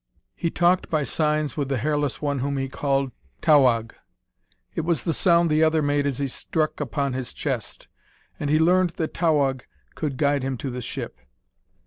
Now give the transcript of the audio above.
He talked by signs with the hairless one whom he called Towahg. It was the sound the other made as he struck upon his chest. And he learned that Towahg could guide him to the ship.